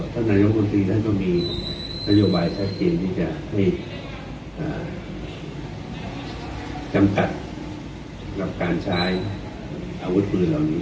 ท่านนายมนตรีท่านก็มีนโยบายแท็กเกณฑ์ที่จะให้จำกัดการใช้อาวุธพื้นเหล่านี้